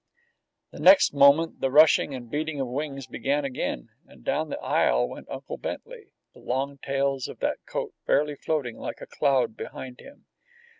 The next moment the rushing and beating of wings began again, and down the aisle went Uncle Bentley, the long tails of that coat fairly floating like a cloud behind him.